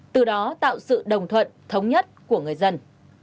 từ đó tạo sự đồng thuận thống nhất của người dân